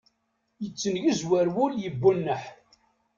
Yettengezwar wul yebunneḥ.